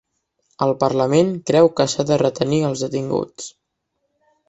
El parlament creu que s'ha de retenir els detinguts